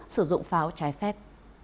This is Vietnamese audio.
sử dụng pháo trái phép